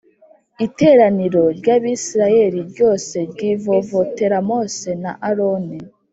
Iteraniro ry Abisirayeli ryose ryivovotera Mose na aroni